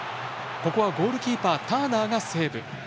ここはゴールキーパーターナーがセーブ。